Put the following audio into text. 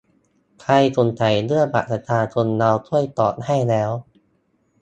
ใครสงสัยเรื่อง บัตรประชาชน เราช่วยตอบให้แล้ว